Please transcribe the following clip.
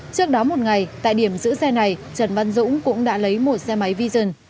trước đó một ngày tại điểm giữ xe này trần văn dũng cũng đã lấy một xe máy vision